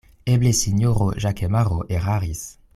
Eble sinjoro Ĵakemaro eraris.